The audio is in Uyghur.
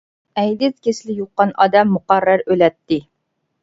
ئەيدىز كېسىلى يۇققان ئادەم مۇقەررەر ئۆلەتتى.